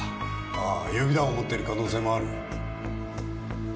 ああ予備弾を持ってる可能性もある。